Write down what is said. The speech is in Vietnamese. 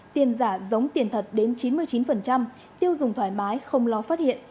tiền giả giống tiền thật đến chín mươi chín tiêu dùng thoải mái không lo phát hiện